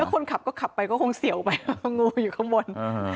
คนขับก็ขับไปก็คงเสี่ยวไปเพราะงูอยู่ข้างบน